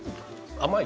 甘い？